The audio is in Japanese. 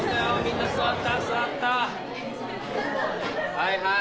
はいはい。